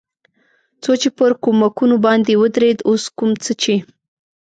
څو چې پر کومکونو باندې ودرېد، اوس کوم څه چې.